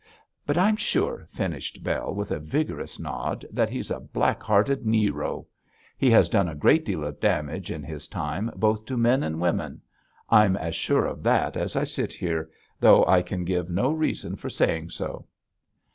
But I'm sure,' finished Bell, with a vigorous nod, 'that he's a black hearted Nero. He has done a deal of damage in his time both to men and women; I'm as sure of that as I sit here, though I can give no reason for saying so.'